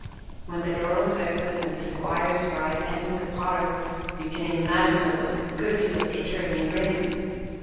When the door was opened and the squire's bride entered the parlor you can imagine there was a good deal of tittering and grinning.